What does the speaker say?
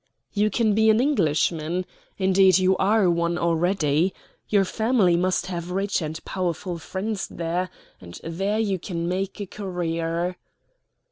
"You can be an Englishman; indeed, you are one already. Your family must have rich and powerful friends there; and there you can make a career."